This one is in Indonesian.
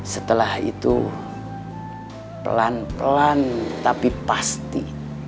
setelah itu pelan pelan tapi pasti